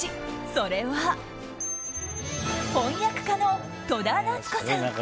それは、翻訳家の戸田奈津子さん。